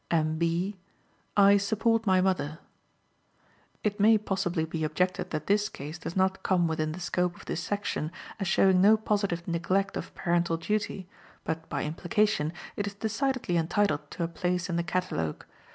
M. B.: "I support my mother." It may possibly be objected that this case does not come within the scope of this section, as showing no positive neglect of parental duty, but, by implication, it is decidedly entitled to a place in the catalogue.